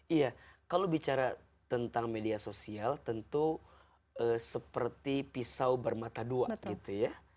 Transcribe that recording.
iya kalau bicara tentang media sosial tentu seperti pisau bermata dua gitu ya